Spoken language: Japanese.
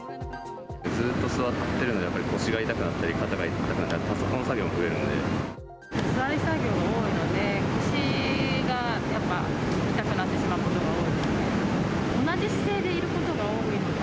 ずっと座ってるので、やっぱり腰が痛くなったり、肩が痛くなったり、パソコン作業が増えるの座り作業が多いので、腰がやっぱ痛くなってしまうことが多いですね。